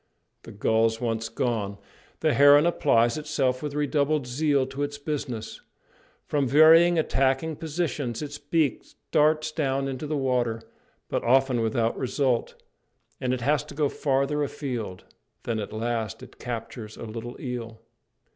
The gulls once gone, the heron applies itself with redoubled zeal to its business. From various attacking positions its beak darts down into the water, but often without result, and it has to go farther afield; then at last it captures a little eel.